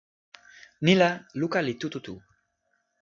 ni la, luka li tu tu tu.